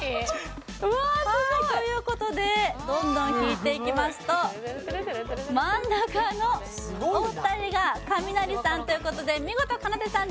うわっすごいということでどんどん引いていきますと真ん中のお二人がカミナリさんということで見事かなでさん